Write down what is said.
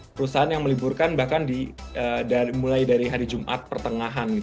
perusahaan yang meliburkan bahkan mulai dari hari jumat pertengahan